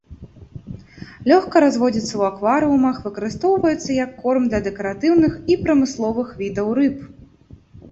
Лёгка разводзіцца ў акварыумах, выкарыстоўваецца як корм для дэкаратыўных і прамысловых відаў рыб.